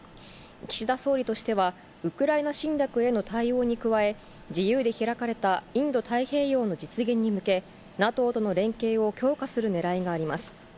岸田総理としては、ウクライナ侵略への対応に加え、自由で開かれたインド太平洋の実現に向け、ＮＡＴＯとの連携を強化するねらいがあります。